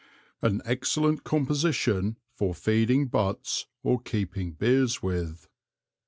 An Excellent Composition for feeding Butts or keeping Beers with.